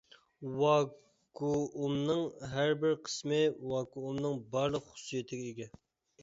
ۋاكۇئۇمنىڭ ھەربىر قىسمى ۋاكۇئۇمنىڭ بارلىق خۇسۇسىيىتىگە ئىگە.